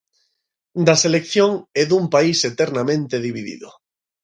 Da selección e dun país eternamente dividido.